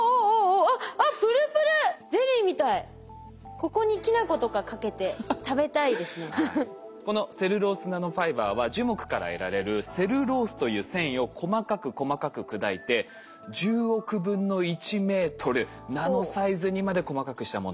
ここにこのセルロースナノファイバーは樹木から得られるセルロースという繊維を細かく細かく砕いて１０億分の１メートルナノサイズにまで細かくしたもの。